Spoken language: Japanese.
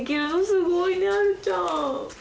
すごいねあるちゃん。